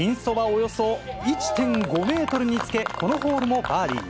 およそ１．５メートルにつけ、このホールもバーディー。